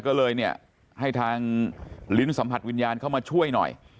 ก็เลยเนี่ยให้ทางลิ้นสัมผัสวิญญาณเข้ามาช่วยหน่อย